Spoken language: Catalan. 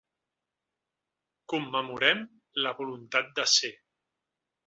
Commemorem la voluntat de ser.